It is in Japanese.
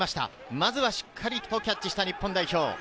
まず、しっかりとキャッチした日本代表。